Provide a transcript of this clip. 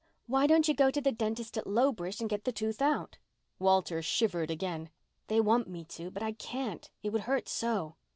"Why don't you go to the dentist at Lowbridge and get the tooth out?" Walter shivered again. "They want me to—but I can't. It would hurt so."